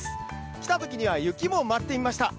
来たときには雪も舞っていました。